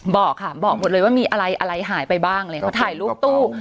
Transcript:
บอกค่ะบอกหมดเลยว่ามีอะไรอะไรหายไปบ้างอะไรเขาถ่ายรูปตู้